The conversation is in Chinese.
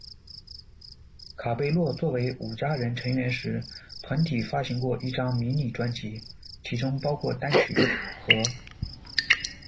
卡贝洛作为五佳人成员时，团体发行过一张迷你专辑《》，其中包括单曲《》和《》。